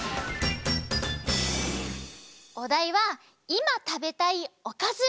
おだいは「いまたべたいおかず」。